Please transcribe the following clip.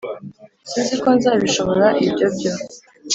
sinziko nzabishobora ibyo byo